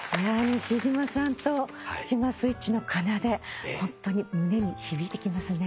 西島さんとスキマスイッチの『奏』ホントに胸に響いてきますね。